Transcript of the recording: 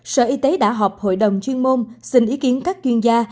sở y tế đã họp hội đồng chuyên môn xin ý kiến các chuyên gia